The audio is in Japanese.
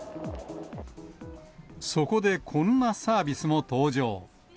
そこでこんなサービスも登場。